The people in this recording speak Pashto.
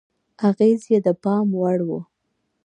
اغېز یې د پام وړ و.